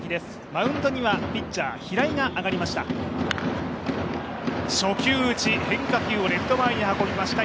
マウンドにはピッチャー・平井が上がりました。